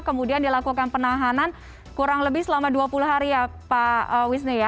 kemudian dilakukan penahanan kurang lebih selama dua puluh hari ya pak wisnu ya